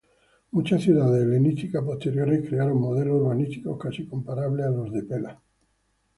Muchas ciudades helenísticas posteriores crearon modelos urbanísticos casi comparables a los de Pela.